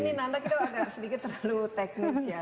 kita agak sedikit terlalu teknis ya